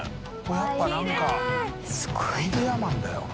やっぱ何かアイデアマンだよな。